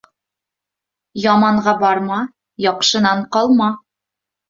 Яманға барма, яҡшынан ҡалма.